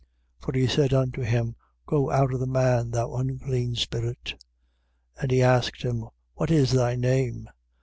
5:8. For he said unto him: Go out of the man, thou unclean spirit. 5:9. And he asked him: What is thy name?